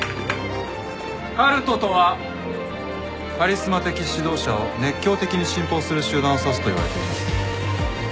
カルトとはカリスマ的指導者を熱狂的に信奉する集団を指すといわれています。